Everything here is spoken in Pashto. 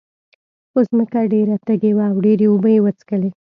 خو ځمکه ډېره تږې وه او ډېرې اوبه یې وڅکلې.